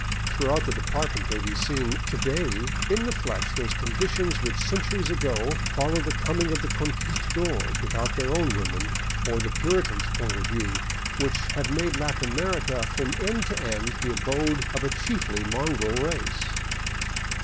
Throughout the department may be seen to day in the flesh those conditions which, centuries ago, followed the coming of the Conquistadores without their own women or the Puri i54B LIFE IN THE BOLIVIAN WILDERNESS tan's point of view, which have made Latin America from end to end the abode of a chiefly mongrel race.